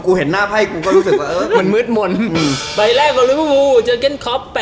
กูเห็นหน้าไพ่กูก็รู้สึกว่าเออมันมืดมนต์อืมใบแรกขอรุ้นผู้จังเก้นคอป